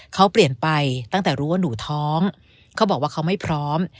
เขาเปลี่ยนไปตั้งแต่รู้ว่าหนูท้องเขาบอกว่าเขาไม่พร้อม